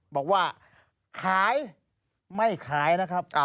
บอกว่าขายไม่ขายนะครับ